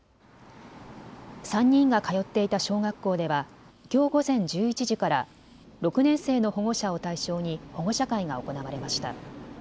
３人が通っていた小学校ではきょう午前１１時から６年生の保護者を対象に保護者会が行われました。